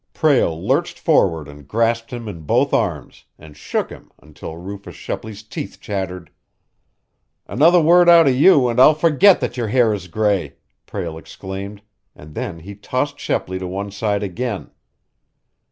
Prale lurched forward and grasped him by both arms, and shook him until Rufus Shepley's teeth chattered. "Another word out of you, and I'll forget that your hair is gray!" Prale exclaimed, and then he tossed Shepley to one side again.